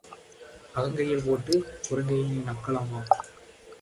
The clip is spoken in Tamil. அகங்கையில் போட்டுப் புறங்கையை நக்கலாமா?